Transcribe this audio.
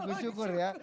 lagu syukur ya